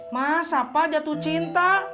masa pak jatuh cinta